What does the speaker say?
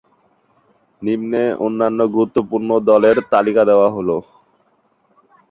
নিম্নে অন্যান্য গুরুত্বপূর্ণ দলের তালিকা দেওয়া হল।